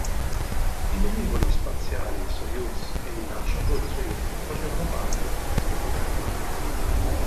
I velivoli spaziali Sojuz e i lanciatori Sojuz facevano parte di questo programma.